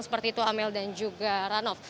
seperti itu amel dan juga ranof